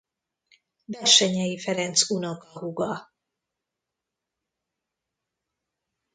Bessenyei Ferenc unokahúga.